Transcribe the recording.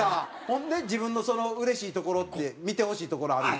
ほんで自分のうれしいところって見てほしいところある？